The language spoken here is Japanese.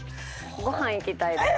ご飯行きたいです。